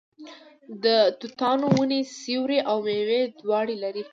د توتانو ونې سیوری او میوه دواړه لري.